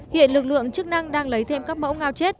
hiện lực lượng chức năng đang lấy thêm các mẫu ngao chết